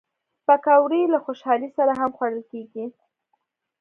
پکورې له خوشحالۍ سره هم خوړل کېږي